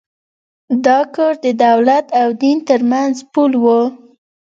دا کور د دولت او دین تر منځ پُل و.